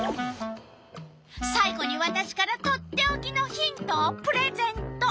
さい後にわたしからとっておきのヒントをプレゼント。